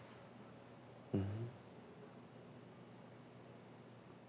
うん。